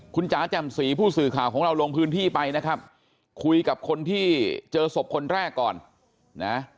คุณจ๋าแจ่มสีผู้สื่อข่าวของเราลงพื้นที่ไปนะครับคุยกับคนที่เจอศพคนแรกก่อนนะ